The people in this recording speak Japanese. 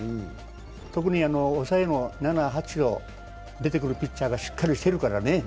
特に抑えの７・８を、出てくるピッチャーがしっかりしてるからね。